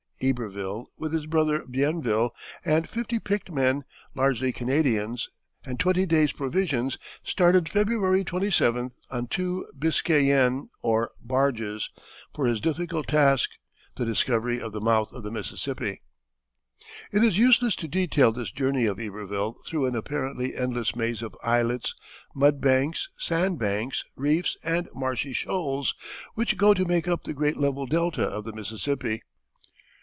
Iberville, with his brother Bienville and fifty picked men, largely Canadians, and twenty days' provisions, started February 27th, on two Biscayennes or barges, for his difficult task, the discovery of the mouth of the Mississippi. It is useless to detail this journey of Iberville through an apparently endless maze of islets, mud banks, sand banks, reefs, and marshy shoals, which go to make up the great level delta of the Mississippi.